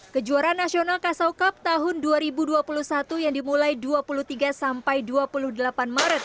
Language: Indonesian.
kejuaraan nasional kasau cup tahun dua ribu dua puluh satu yang dimulai dua puluh tiga sampai dua puluh delapan maret